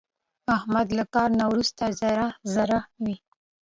احمد له کار نه ورسته ذره ذره وي.